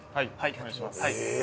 お願いします。